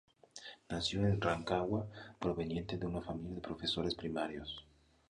Nació en Rancagua, proveniente de una familia de profesores primarios.